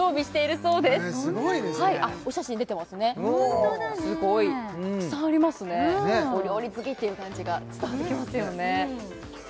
ホントだねすごいたくさんありますねお料理好きっていう感じが伝わってきますよね